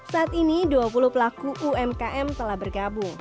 saat ini dua puluh pelaku umkm telah bergabung